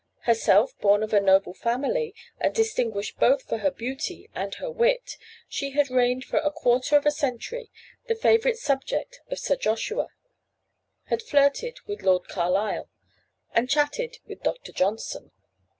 Herself born of a noble family, and distinguished both for her beauty and her wit, she had reigned for a quarter of a century the favourite subject of Sir Joshua; had flirted with Lord Carlisle, and chatted with Dr. Johnson.